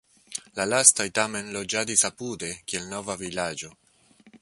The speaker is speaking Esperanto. La lastaj tamen loĝadis apude, kiel nova vilaĝo.